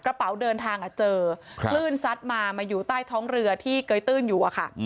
เดินทางเจอคลื่นซัดมามาอยู่ใต้ท้องเรือที่เกยตื้นอยู่อะค่ะ